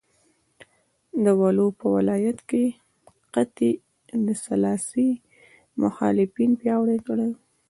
د ولو په ولایت کې قحطۍ د سلاسي مخالفین پیاوړي کړل.